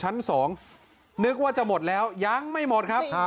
นึกว่าจะหมดละยังไม่หมด